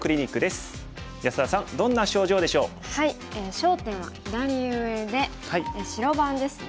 焦点は左上で白番ですね。